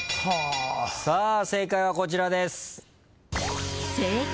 正解はこちらです。